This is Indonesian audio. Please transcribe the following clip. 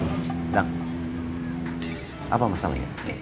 dadang apa masalahnya